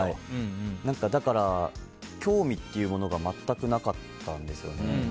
だから興味っていうものが全くなかったんですよね。